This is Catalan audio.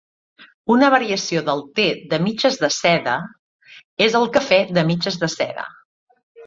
Una variació del "te de mitges de seda" és el "cafè de mitges de seda".